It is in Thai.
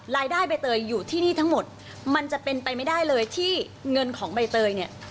ใบเตยอยู่ที่นี่ทั้งหมดมันจะเป็นไปไม่ได้เลยที่เงินของใบเตยเนี่ย